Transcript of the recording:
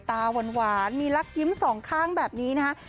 ตาหวานมีลักยิ้มสองข้างแบบนี้นะฮะ